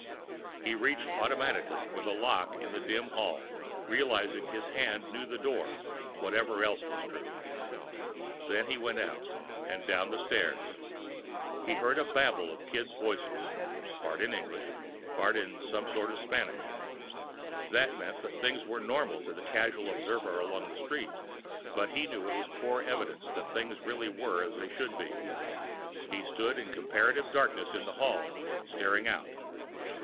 He reached automatically for the lock in the dim hall, and realized his hands knew the door, whatever else was true. Then he went out and down the stairs. He heard a babble of kids' voices, part in English and part in a sort of Spanish. That meant that things were normal, to the casual observer along the street. But he knew it was poor evidence that things really were as they should be. He stood in the comparative darkness of the hall, staring out.